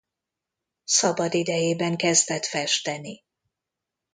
Szabadidejében kezdett festeni.